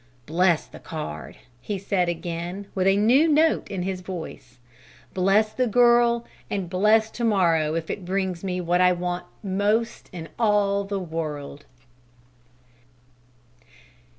"Bless the card!" he said again, with a new note in his voice: "Bless the girl! And bless to morrow if it brings me what I want most in all the world!"